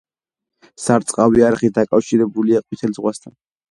სარწყავი არხით დაკავშირებულია ყვითელ ზღვასთან.